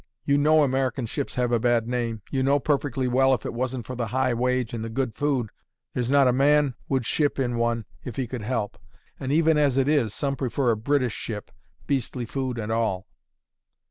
You know American ships have a bad name; you know perfectly well if it wasn't for the high wage and the good food, there's not a man would ship in one if he could help; and even as it is, some prefer a British ship, beastly food and all."